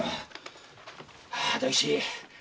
大吉